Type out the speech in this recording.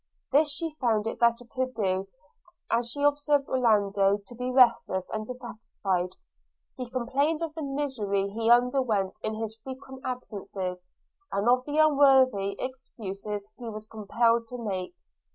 This she found it better to do, as she observed Orlando to be restless and dissatisfied: he complained of the misery he underwent in his frequent absences, and of the unworthy excuses he was compelled to make.